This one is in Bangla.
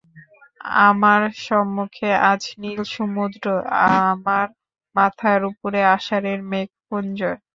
আমার সম্মুখে আজ নীল সমুদ্র, আমার মাথার উপরে আষাঢ়ের মেঘপুঞ্জ।